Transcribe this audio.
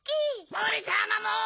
オレさまも！